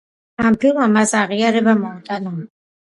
ამ ფილმმა მას აღიარება მოუტანა.